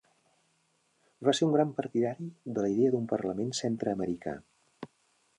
Va ser un gran partidari de l'idea d'un parlament centreamericà.